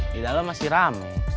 di dalam masih rame